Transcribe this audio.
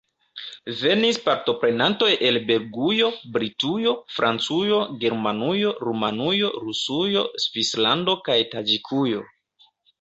Venis partoprenantoj el Belgujo, Britujo, Francujo, Germanujo, Rumanujo, Rusujo, Svislando kaj Taĝikujo.